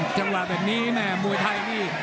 จังหวะแบบนี้แม่มวยไทยนี่